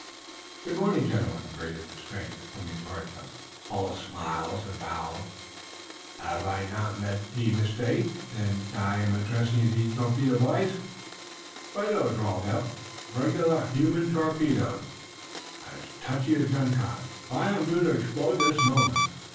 "Ah, good morning, gentlemen," greeted the stranger, coming toward them, all smiles and bows. "Av I have not med ze mistake, zen I am address ze torpedo boys." "Right o," drawled Eph. "Regular human torpedoes, as touchy as gun cotton. Why, I am due to explode this moment!"